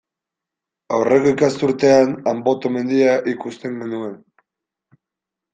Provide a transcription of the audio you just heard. Aurreko ikasturtean Anboto mendia ikusten genuen.